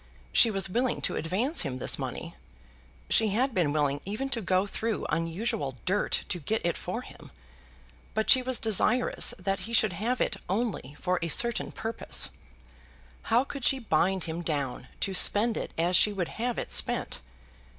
She was willing to advance him this money; she had been willing even to go through unusual dirt to get it for him; but she was desirous that he should have it only for a certain purpose. How could she bind him down to spend it as she would have it spent?